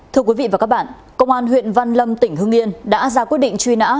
thưa quý vị và các bạn công an huyện văn lâm tỉnh hưng yên đã ra quyết định truy nã